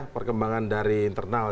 perkembangan dari internal